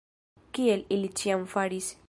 Kiel ili ĉiam faris.